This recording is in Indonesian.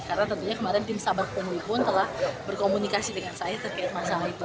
karena tentunya kemarin tim sabat bungli pun telah berkomunikasi dengan saya terkait masalah itu